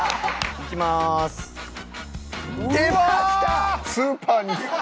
出ました！